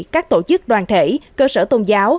các tổ chức đoàn thể cơ sở tôn giáo